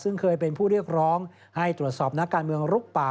ซึ่งเคยเป็นผู้เรียกร้องให้ตรวจสอบนักการเมืองลุกป่า